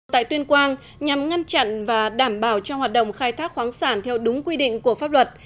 tại tuyên quang nhằm ngăn chặn và đảm bảo cho hoạt động khai thác khoáng sản theo đúng quy định của pháp luật